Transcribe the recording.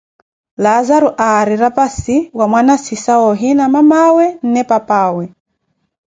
Laazaro aari rapasi wa mwanasisa, wa ohiina mamawe nne papaawe.